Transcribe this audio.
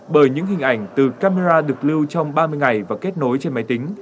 bởi những hình ảnh từ camera được lưu trong ba mươi ngày và kết nối trên máy tính